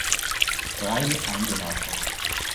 Breil eingelagert.